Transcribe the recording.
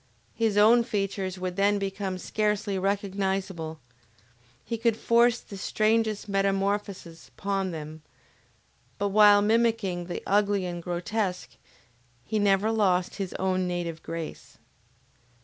His own features would then become scarcely recognizable, he could force the strangest metamorphoses upon them, but while mimicking the ugly and grotesque, he never lost his own native grace.